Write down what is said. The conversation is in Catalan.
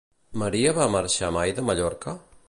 Maria va marxar mai de Mallorca?